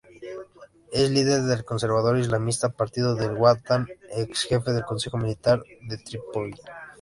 Es líder del conservador islamista Partido al-Watan y exjefe del Consejo Militar de Trípoli.